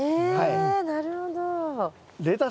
へえなるほど。